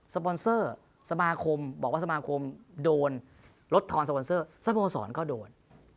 ปอนเซอร์สมาคมบอกว่าสมาคมโดนลดทอนสปอนเซอร์สโมสรก็โดน